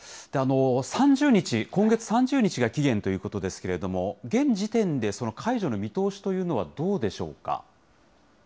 ３０日、今月３０日が期限ということですけれども、現時点で解除の見通しというのはどうでしょうか。